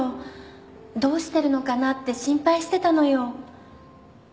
どうしてるのかなって心配してたのよ。